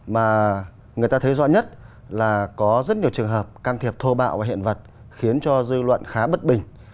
mà người ta thấy rõ nhất là có rất nhiều trường hợp can thiệp thô bạo và hiện vật khiến cho dư luận khá bất bình